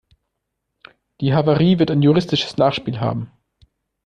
Die Havarie wird ein juristisches Nachspiel haben.